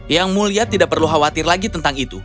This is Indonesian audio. yang mulia tidak perlu khawatir lagi tentang itu